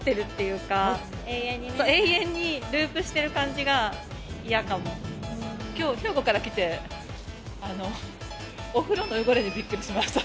永遠にループしている感じがきょう、兵庫から来て、お風呂の汚れにびっくりしました。